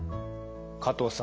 加藤さん